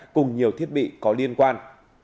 cùng nhiều thiết bị có liên quan